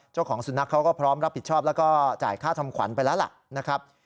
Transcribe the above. เจ้าของสุนัขเขาก็พร้อมรับผิดชอบแล้วก็จ่ายค่าทำขวัญไปแล้วล่ะนะครับ